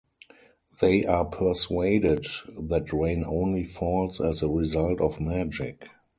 They are persuaded that rain only falls as a result of magic.